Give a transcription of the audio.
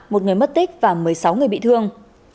một người mất tích và một mươi sáu người bị thương